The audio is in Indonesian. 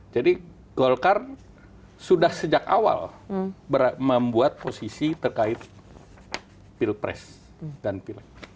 jadi golkar sudah sejak awal membuat posisi terkait pilpres dan pil